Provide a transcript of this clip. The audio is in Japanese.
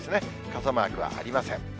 傘マークはありません。